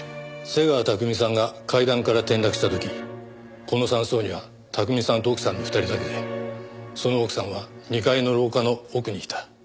瀬川巧さんが階段から転落した時この山荘には巧さんと奥さんの２人だけでその奥さんは２階の廊下の奥にいた。